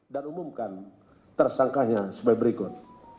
dan umumkan tersangkanya sebagai berikut